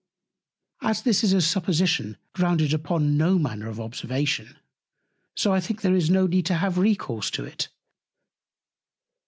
As this is a supposition grounded upon no manner of Observation, so I think there is no need to have Recourse to it.